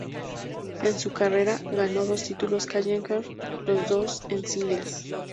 En su carrera, ganó dos títulos "challenger", los dos en singles.